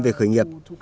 về khởi nghiệp